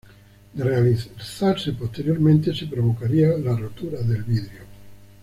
De realizarse posteriormente, se provocaría la rotura del vidrio.